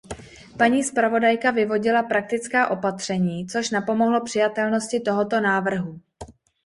Paní zpravodajka vyvodila praktická opatření, což napomohlo přijatelnosti tohoto návrhu.